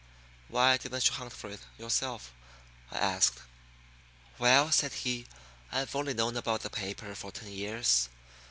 "Why didn't you hunt for it yourself?" I asked. "Well," said he, "I've only known about the paper for ten years.